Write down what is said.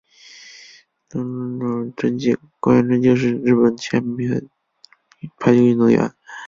菅原贞敬是一名日本前排球运动员。